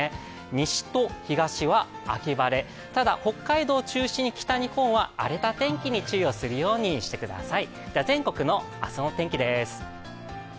西と東は秋晴れ、ただ、北海道中心に北日本は荒れた天気に注意をするようにしてください。